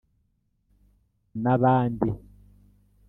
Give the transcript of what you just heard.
n'abandi